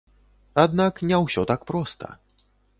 Аднак не ўсё так проста.